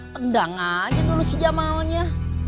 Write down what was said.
tendang aja dulu si jamalnya